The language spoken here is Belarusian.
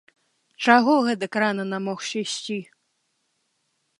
Чаго гэтак рана намогся ісці?